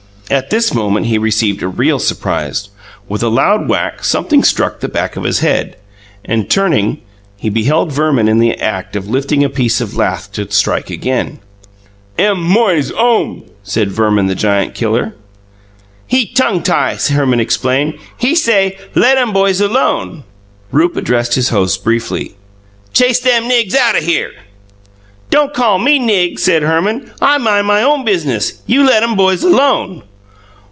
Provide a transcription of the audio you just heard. At this moment he received a real surprise. With a loud whack something struck the back of his head, and, turning, he beheld Verman in the act of lifting a piece of lath to strike again. "Em moys ome!" said Verman, the Giant Killer. "He tongue tie'," Herman explained. "He say, let 'em boys alone." Rupe addressed his host briefly: "Chase them nigs out o' here!" "Don' call me nig," said Herman. "I mine my own biznuss. You let 'em boys alone."